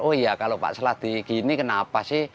oh iya kalau pak sladi gini kenapa sih